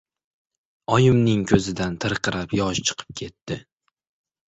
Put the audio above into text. — Oyimning ko‘zidan tirqirab yosh chiqib ketdi.